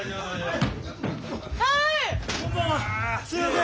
すいません。